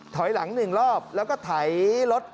ถอยหลัง๑รอบแล้วก็ไถรถ